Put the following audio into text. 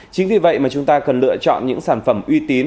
chính vì vậy mà chúng ta cần lựa chọn những sản phẩm uy tín